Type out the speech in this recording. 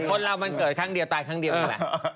คนเรามันเกิดครั้งเดียวตายครั้งเดียวนี่แหละ